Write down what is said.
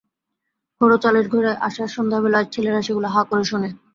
খোড়ো চালের ঘরে আষাঢ়-সন্ধ্যাবেলায় ছেলেরা সেগুলো হাঁ করে শোনে।